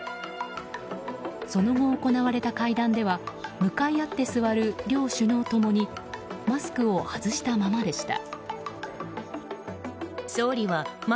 その後、行われた会談では向かい合って座る両首脳共にマスクを外したままでした。